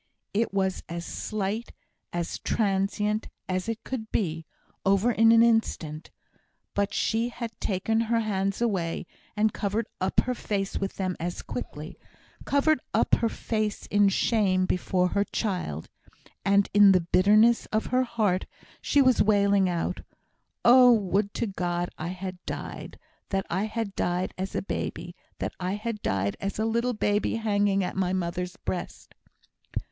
It was as slight, as transient as it could be over in an instant. But she had taken her hands away, and covered up her face with them as quickly covered up her face in shame before her child; and in the bitterness of her heart she was wailing out, "Oh, would to God I had died that I had died as a baby that I had died as a little baby hanging at my mother's breast!"